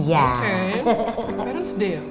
parents day ya